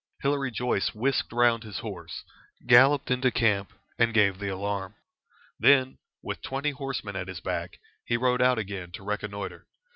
Hilary Joyce whisked round his horse, galloped into camp, and gave the alarm. Then, with twenty horsemen at his back, he rode out again to reconnoitre.